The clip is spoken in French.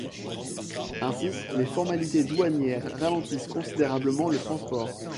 Ainsi, les formalités douanières ralentissent considérablement le transport.